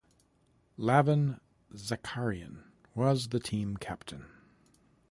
Lavon Zakarian was the team captain.